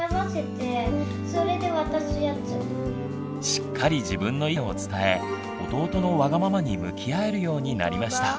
しっかり自分の意見を伝え弟のワガママに向き合えるようになりました。